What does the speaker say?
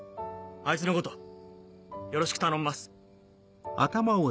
あいつのことよろしく頼んます。